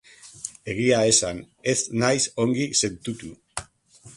Egia esan, ez naiz ongi sentitu.